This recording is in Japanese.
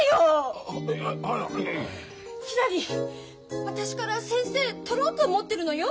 ひらり私から先生とろうと思ってるのよ。